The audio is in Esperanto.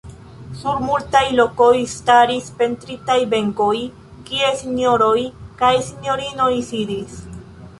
Sur multaj lokoj staris pentritaj benkoj, kie sinjoroj kaj sinjorinoj sidis.